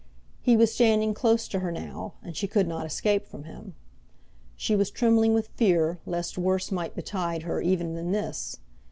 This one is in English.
He was standing close to her now, and she could not escape from him. She was trembling with fear lest worse might betide her even than this.